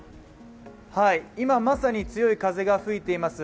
今まさに強い風が吹いています。